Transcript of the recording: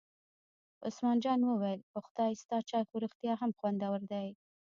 عثمان جان وویل: په خدای ستا چای خو رښتیا هم خوندور دی.